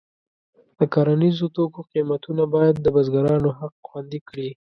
د کرنیزو توکو قیمتونه باید د بزګرانو حق خوندي کړي.